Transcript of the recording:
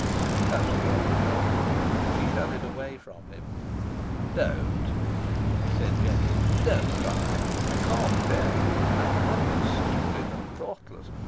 He touched her on the shoulder. She shuddered away from him. "Don't," he said gently. "Don't cry. I can't bear it. I have been stupid and thoughtless.